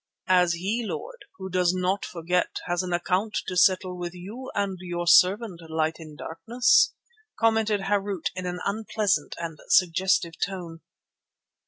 "As he, Lord, who does not forget, has an account to settle with you and your servant, Light in Darkness," commented Harût in an unpleasant and suggestive tone.